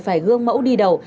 phải gương mẫu đi đầu